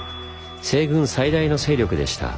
西軍最大の勢力でした。